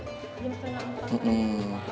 jam setengah empat pagi